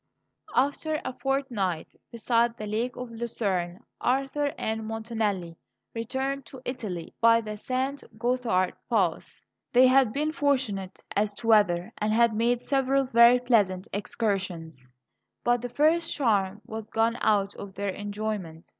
After a fortnight beside the Lake of Lucerne Arthur and Montanelli returned to Italy by the St. Gothard Pass. They had been fortunate as to weather and had made several very pleasant excursions; but the first charm was gone out of their enjoyment.